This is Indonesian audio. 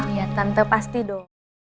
iya tante pasti dong